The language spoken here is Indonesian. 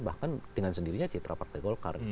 bahkan dengan sendirinya citra partai golkar